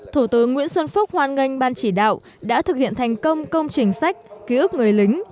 thủ tướng nguyễn xuân phúc hoan nghênh ban chỉ đạo đã thực hiện thành công công trình sách ký ức người lính